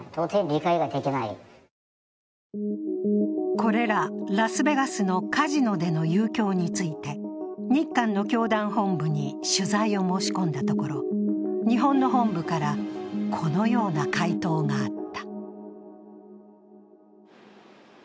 これらラスベガスのカジノでの遊興について、日韓の教団本部に取材を申し込んだところ日本の本部から、このような回答があった。